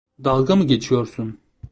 Dalga mı geçiyorsun?